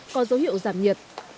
có dấu hiệu giảm nhiệt